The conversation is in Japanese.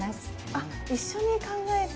あ一緒に考えて。